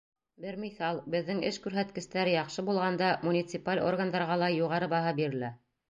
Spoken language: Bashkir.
Бер миҫал: беҙҙең эш күрһәткестәре яҡшы булғанда, муниципаль органдарға ла юғары баһа бирелә.